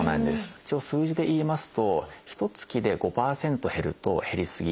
一応数字で言いますとひとつきで５％減ると減り過ぎ。